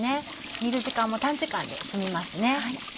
煮る時間も短時間で済みます。